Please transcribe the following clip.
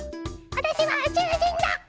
わたしはうちゅうじんだみたいな。